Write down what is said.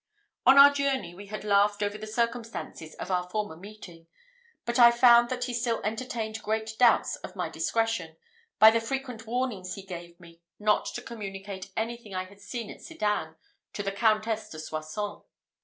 On our journey we had laughed over the circumstances of our former meeting; but I found that he still entertained great doubts of my discretion, by the frequent warnings he gave me not to communicate anything I had seen at Sedan to the Countess de Soissons.